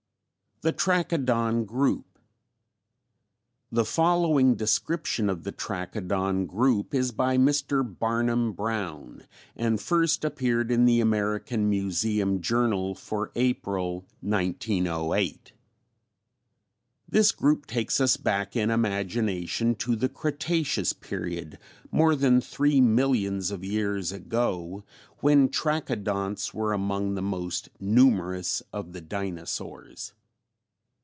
THE TRACHODON GROUP. The following description of the Trachodon group is by Mr. Barnum Brown and first appeared in the American Museum Journal for April 1908: "This group takes us back in imagination to the Cretaceous period, more than three millions of years ago, when Trachodonts were among the most numerous of the dinosaurs.